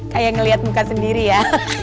kayak ngeliat muka sendiri ya